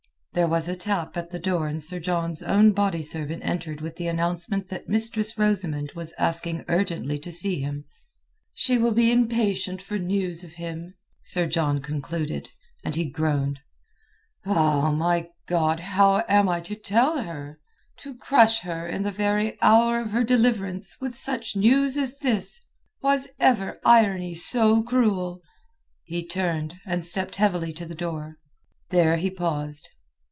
There was a tap at the door and Sir John's own body servant entered with the announcement that Mistress Rosamund was asking urgently to see him. "She will be impatient for news of him," Sir John concluded, and he groaned. "My God! How am I to tell her? To crush her in the very hour of her deliverance with such news as this! Was ever irony so cruel?" He turned, and stepped heavily to the door. There he paused.